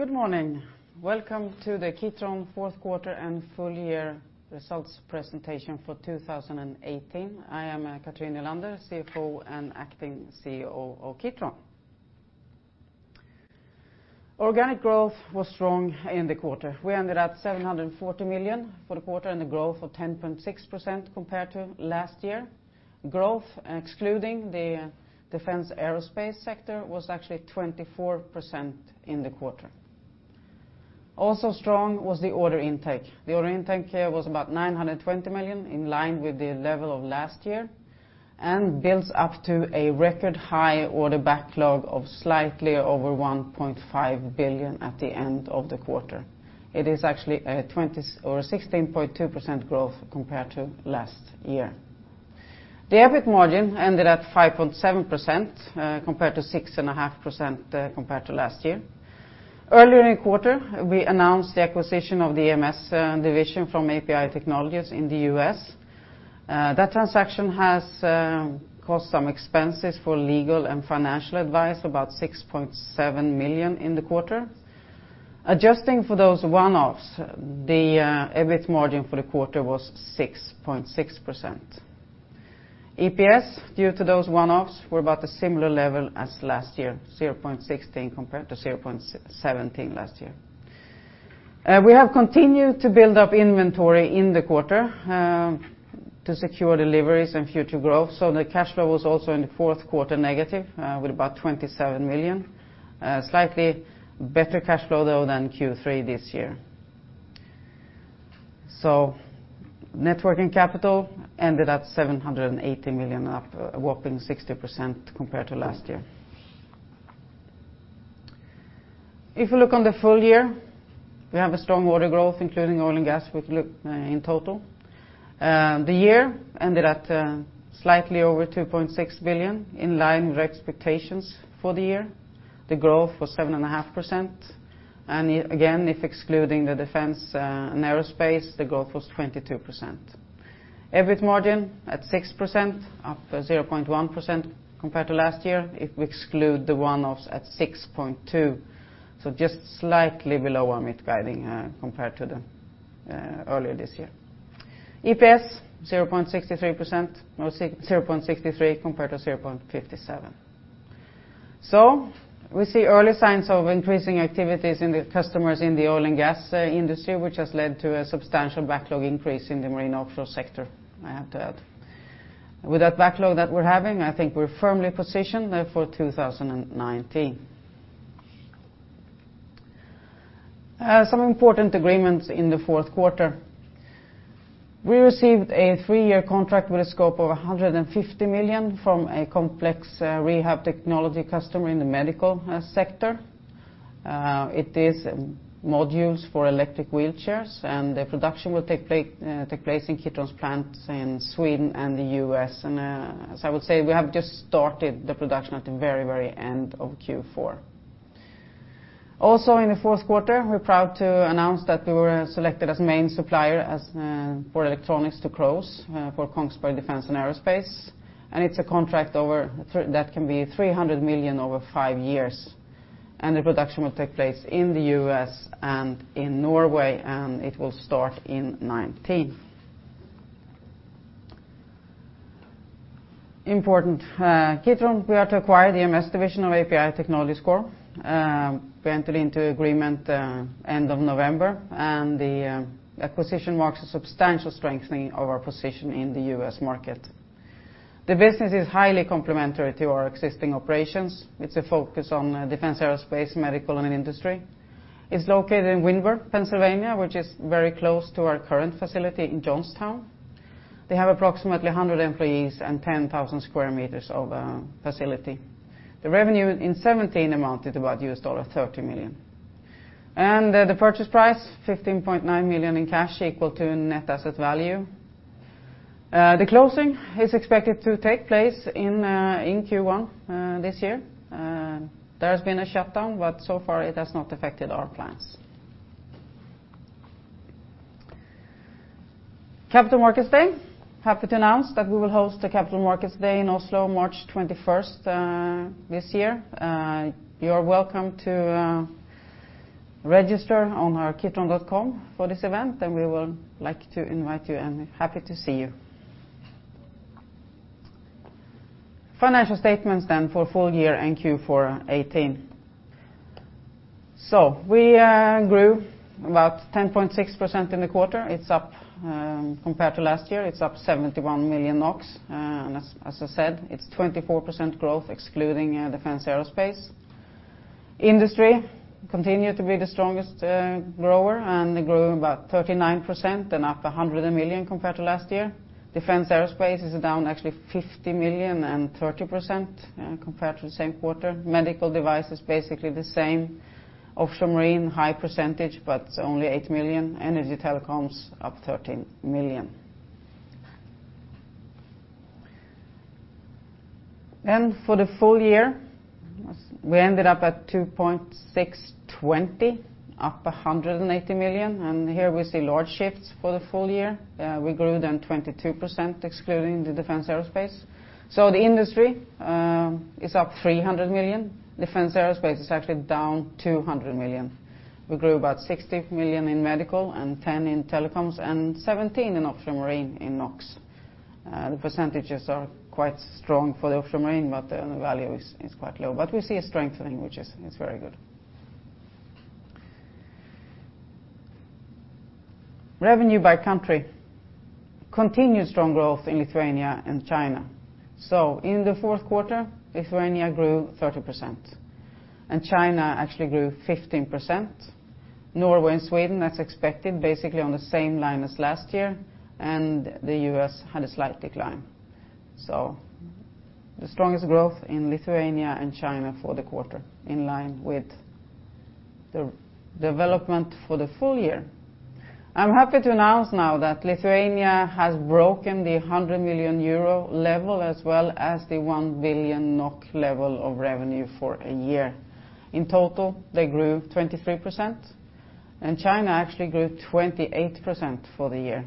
Good morning. Welcome to the Kitron fourth quarter and full year results presentation for 2018. I am Cathrin Nylander, CFO and acting CEO of Kitron. Organic growth was strong in the quarter. We ended at 740 million for the quarter and a growth of 10.6% compared to last year. Growth, excluding the Defence/Aerospace sector, was actually 24% in the quarter. Also strong was the order intake. The order intake here was about 920 million, in line with the level of last year, and builds up to a record high order backlog of slightly over 1.5 billion at the end of the quarter. It is actually a 16.2% growth compared to last year. The EBIT margin ended at 5.7% compared to 6.5% compared to last year. Earlier in quarter, we announced the acquisition of the EMS division from API Technologies in the U.S. That transaction has caused some expenses for legal and financial advice, about 6.7 million in the quarter. Adjusting for those one-offs, the EBIT margin for the quarter was 6.6%. EPS, due to those one-offs, were about a similar level as last year, 0.16 compared to 0.17 last year. We have continued to build up inventory in the quarter to secure deliveries and future growth, the cash flow was also in the fourth quarter negative with about 27 million. Slightly better cash flow, though, than Q3 this year. Net working capital ended at 780 million, up a whopping 60% compared to last year. If you look on the full year, we have a strong order growth, including oil and gas, if you look in total. The year ended at slightly over 2.6 billion, in line with our expectations for the year. The growth was 7.5%, and again, if excluding the Defense and Aerospace, the growth was 22%. EBIT margin at 6%, up 0.1% compared to last year. If we exclude the one-offs at 6.2%, so just slightly below our mid-guiding compared to the earlier this year. EPS 0.63 percent, or 0.63 compared to 0.57. We see early signs of increasing activities in the customers in the oil and gas industry, which has led to a substantial backlog increase in the marine offshore sector, I have to add. With that backlog that we're having, I think we're firmly positioned for 2019. Some important agreements in the fourth quarter. We received a three-year contract with a scope of 150 million from a complex rehab technology customer in the medical sector. It is modules for electric wheelchairs, and the production will take place in Kitron's plants in Sweden and the U.S. As I would say, we have just started the production at the very, very end of Q4. In the fourth quarter, we're proud to announce that we were selected as main supplier as for electronics to CROWS for Kongsberg Defence & Aerospace. It's a contract that can be 300 million over five years. The production will take place in the U.S. and in Norway. It will start in 2019. Important, Kitron, we are to acquire the EMS division of API Technologies Corp. We entered into agreement end of November. The acquisition marks a substantial strengthening of our position in the U.S. market. The business is highly complementary to our existing operations. It's a focus on defense, aerospace, medical, and industry. It's located in Windber, Pennsylvania, which is very close to our current facility in Johnstown. They have approximately 100 employees and 10,000 square meters of facility. The revenue in 2017 amounted to about $30 million. The purchase price, $15.9 million in cash, equal to net asset value. The closing is expected to take place in Q1 this year. There has been a shutdown, but so far it has not affected our plans. Capital Markets Day. Happy to announce that we will host the Capital Markets Day in Oslo, March 21st this year. You are welcome to register on our kitron.com for this event, and we will like to invite you, and happy to see you. Financial statements for full year and Q4 2018. We grew about 10.6% in the quarter. It's up compared to last year. It's up 71 million NOK, and as I said, it's 24% growth excluding Defence/Aerospace. Industry continued to be the strongest grower. It grew about 39% and up 100 million compared to last year. Defence/Aerospace is down actually 50 million and 30% compared to the same quarter. Medical device is basically the same. Offshore Marine, high percentage, but only 8 million. Energy telecoms up 13 million. For the full year, we ended up at 2,620 million, up 180 million, and here we see large shifts for the full year. We grew 22%, excluding the Defence/Aerospace. The industry is up 300 million. Defence/Aerospace is actually down 200 million. We grew about 60 million in medical and 10 million in telecoms and 17 million in offshore marine in NOx. The percentages are quite strong for the offshore marine, but the value is quite low. We see a strengthening, which is very good. Revenue by country continued strong growth in Lithuania and China. In the fourth quarter, Lithuania grew 30%, and China actually grew 15%. Norway and Sweden, that's expected basically on the same line as last year, and the US had a slight decline. The strongest growth in Lithuania and China for the quarter in line with the development for the full year. I'm happy to announce now that Lithuania has broken the 100 million euro level as well as the 1 billion NOK level of revenue for a year. In total, they grew 23%, and China actually grew 28% for the year.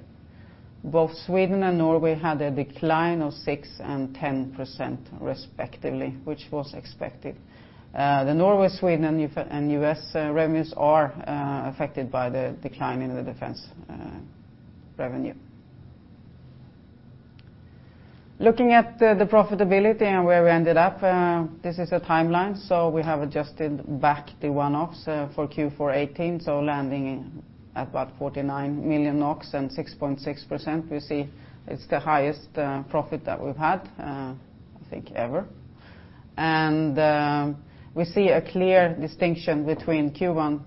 Both Sweden and Norway had a decline of 6% and 10% respectively, which was expected. The Norway, Sweden, and US revenues are affected by the decline in the defense revenue. Looking at the profitability and where we ended up, this is a timeline. We have adjusted back the one-offs for Q4 2018, landing at about 49 million NOK and 6.6%. We see it's the highest profit that we've had, I think ever. We see a clear distinction between Q1,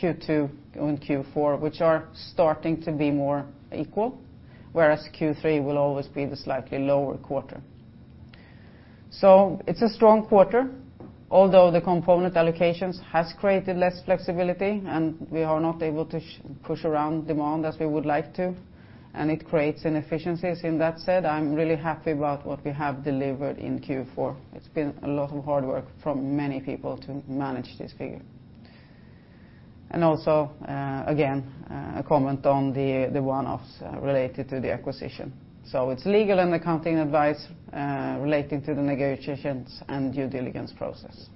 Q2, and Q4, which are starting to be more equal, whereas Q3 will always be the slightly lower quarter. It's a strong quarter, although the component allocations has created less flexibility, and we are not able to push around demand as we would like to, and it creates inefficiencies. In that said, I'm really happy about what we have delivered in Q4. It's been a lot of hard work from many people to manage this figure. Again, a comment on the one-offs related to the acquisition. It's legal and accounting advice relating to the negotiations and due diligence process.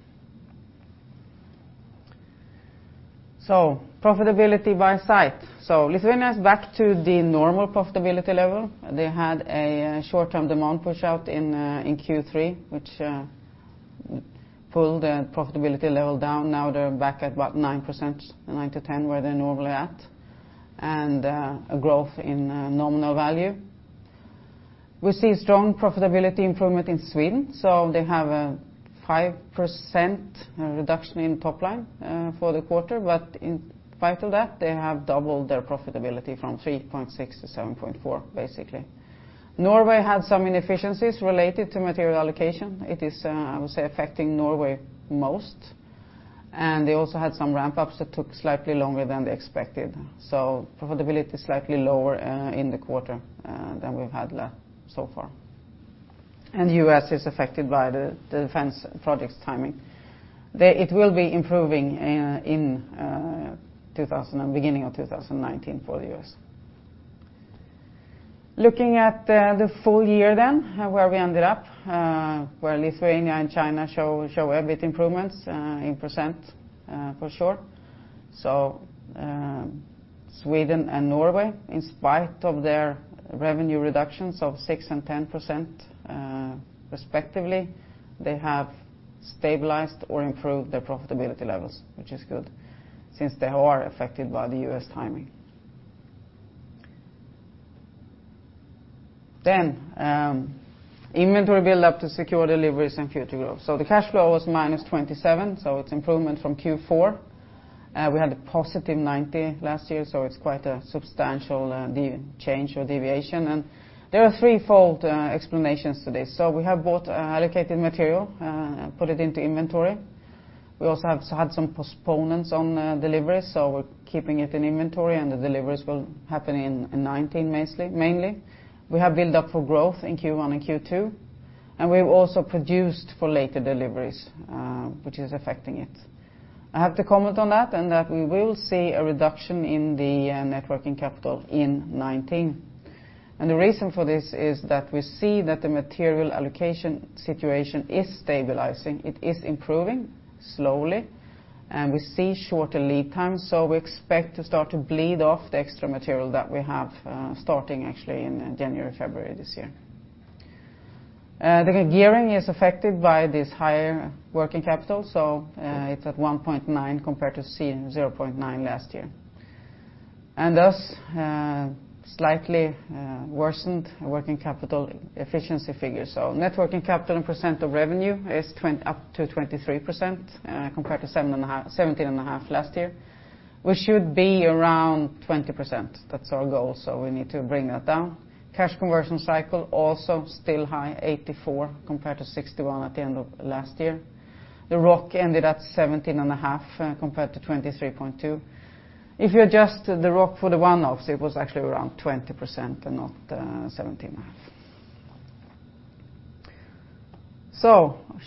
Profitability by site. Lithuania is back to the normal profitability level. They had a short-term demand push out in Q3, which pulled the profitability level down. Now they're back at about 9%, 9%-10%, where they're normally at, and a growth in nominal value. We see strong profitability improvement in Sweden, so they have a 5% reduction in top line for the quarter. In spite of that, they have doubled their profitability from 3.6 to 7.4, basically. Norway had some inefficiencies related to material allocation. It is, I would say, affecting Norway most. They also had some ramp-ups that took slightly longer than they expected. Profitability is slightly lower in the quarter than we've had so far. U.S. is affected by the defense projects timing. It will be improving in beginning of 2019 for the U.S. Looking at the full year then, where we ended up, where Lithuania and China show every improvements in percent for sure. Sweden and Norway, in spite of their revenue reductions of 6% and 10% respectively, they have stabilized or improved their profitability levels, which is good since they are affected by the U.S. timing. Inventory build up to secure deliveries and future growth. The cash flow was -27, so it's improvement from Q4. We had a positive 90 last year, so it's quite a substantial change or deviation. There are threefold explanations to this. We have both allocated material, put it into inventory. We also have had some postponements on deliveries, so we're keeping it in inventory and the deliveries will happen in 2019, mostly, mainly. We have build up for growth in Q1 and Q2, and we've also produced for later deliveries, which is affecting it. I have to comment on that, and that we will see a reduction in the net working capital in 2019. The reason for this is that we see that the material allocation situation is stabilizing. It is improving slowly, and we see shorter lead times, so we expect to start to bleed off the extra material that we have, starting actually in January, February this year. The gearing is affected by this higher working capital, so it's at 1.9 compared to 0.9 last year. Thus, slightly worsened working capital efficiency figures. Net working capital and percent of revenue is up to 23%, compared to 17.5 last year. We should be around 20%. That's our goal, so we need to bring that down. Cash conversion cycle also still high, 84 compared to 61 at the end of last year. The ROC ended at 17.5 compared to 23.2. If you adjust the ROC for the one-offs, it was actually around 20% and not 17.5%.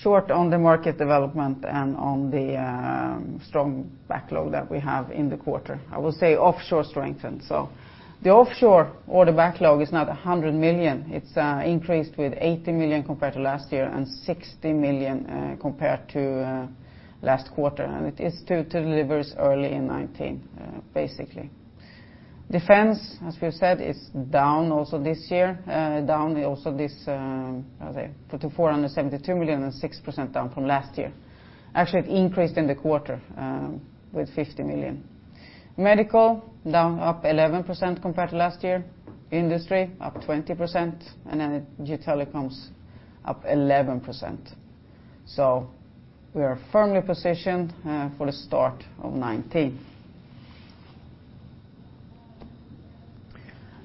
Short on the market development and on the strong backlog that we have in the quarter. I will say offshore strengthened. The offshore order backlog is now 100 million. It's increased with 80 million compared to last year and 60 million compared to last quarter, and it is to deliver early in 2019, basically. Defence, as we've said, is down also this year. Down also this 472 million and 6% down from last year. Actually, it increased in the quarter with 50 million. Medical up 11% compared to last year. Industry up 20%, and then telecoms up 11%. We are firmly positioned for the start of 2019.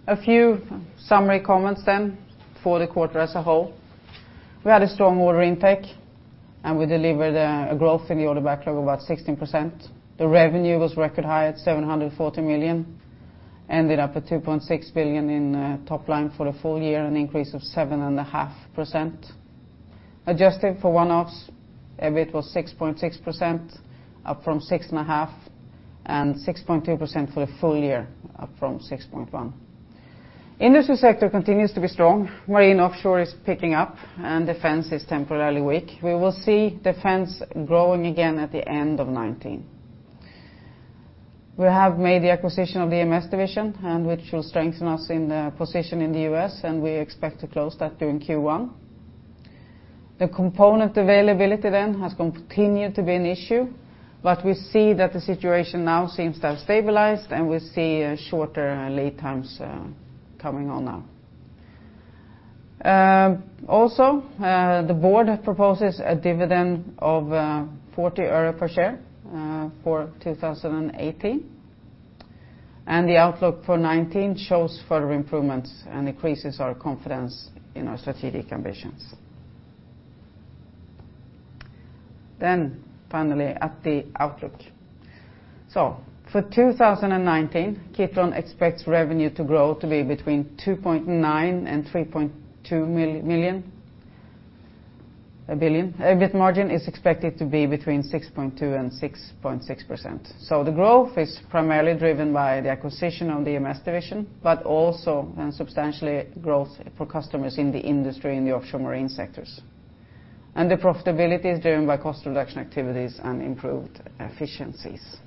A few summary comments for the quarter as a whole. We had a strong order intake, we delivered a growth in the order backlog of about 16%. The revenue was record high at 740 million, ended up at 2.6 billion in top line for the full year, an increase of 7.5%. Adjusted for one-offs, EBIT was 6.6%, up from 6.5%, 6.2% for the full year, up from 6.1%. Industry sector continues to be strong. Marine offshore is picking up, Defense is temporarily weak. We will see Defense growing again at the end of 2019. We have made the acquisition of the EMS division, which will strengthen us in the position in the U.S., and we expect to close that during Q1. The component availability has continued to be an issue, but we see that the situation now seems to have stabilized, and we see shorter lead times coming on now. Also, the board proposes a dividend of NOK 0.40 per share for 2018. The outlook for 2019 shows further improvements and increases our confidence in our strategic ambitions. Finally, at the outlook. For 2019, Kitron expects revenue to grow to be between 2.9 billion and 3.2 billion. EBIT margin is expected to be between 6.2% and 6.6%. The growth is primarily driven by the acquisition of the EMS division, but also a substantially growth for customers in the industry in the offshore marine sectors. The profitability is driven by cost reduction activities and improved efficiencies.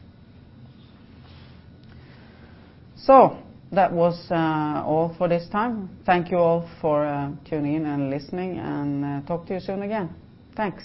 That was all for this time. Thank you all for tuning in and listening. Talk to you soon again. Thanks.